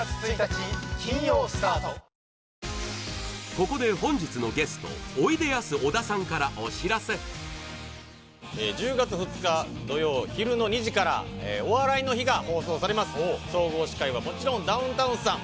ここで本日のゲストええ１０月２日土曜昼の２時から「お笑いの日」が放送されます総合司会はもちろんダウンタウンさん